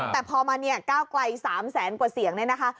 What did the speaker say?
แต่พอมาเนี่ยก้าวไกล๓แสนกว่าเสียงเนี่ยนะคะ